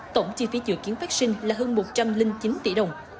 tổng chi phí dự kiến phát sinh là hơn một trăm linh chín tỷ đồng